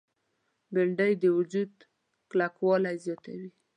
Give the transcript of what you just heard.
بېنډۍ د وجود کلکوالی زیاتوي